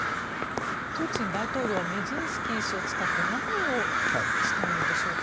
プーチン大統領はメジンスキー氏を使って何をしたいのでしょうか。